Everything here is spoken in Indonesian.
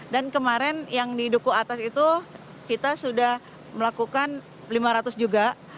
dan kemarin yang di duku atas itu kita sudah melakukan lima ratus juga